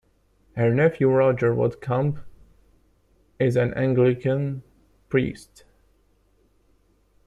Her nephew, Roger Widdecombe, is an Anglican priest.